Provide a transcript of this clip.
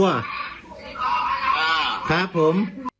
อ่่าครับผม